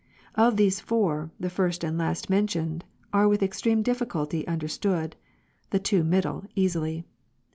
Of these four, the first and last mentioned, are with extreme difliculty under stood, the two middle, easily.